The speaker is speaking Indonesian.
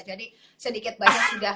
jadi sedikit banyak sudah